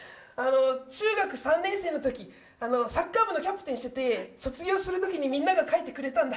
中学３年生の時、サッカー部のキャプテンしてて卒業する時にみんなが書いてくれたんだ。